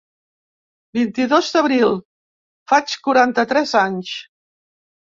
Vint-i-dos d'abril, faig quaranta-tres anys.